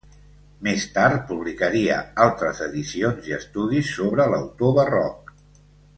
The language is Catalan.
Més tard, publicaria altres edicions i estudis sobre l'autor barroc.